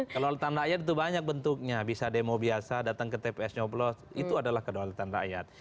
kelewatan rakyat itu banyak bentuknya bisa demo biasa datang ke tps nyoblos itu adalah kedaulatan rakyat